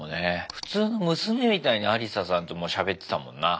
普通の娘みたいにアリサさんともうしゃべってたもんな。